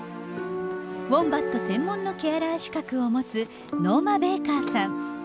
ウォンバット専門のケアラー資格を持つノーマ・ベイカーさん。